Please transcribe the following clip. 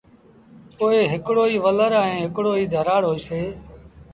پوء هڪڙو ئيٚ ولر ائيٚݩٚ هڪڙو ئيٚ ڌرآڙ هوئيٚسي۔